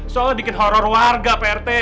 soalnya bikin horror warga pak rete